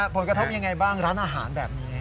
ผลกระทบยังไงบ้างร้านอาหารแบบนี้